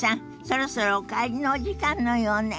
そろそろお帰りのお時間のようね。